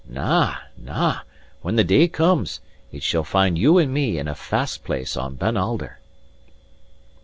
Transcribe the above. Na, na, when the day comes, it shall find you and me in a fast place on Ben Alder."